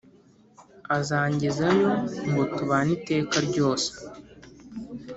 Azangezayo ngo tubane iteka ryose